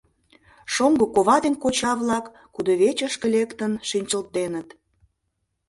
Шоҥго кова ден коча-влак кудывечышке лектын шинчылденыт.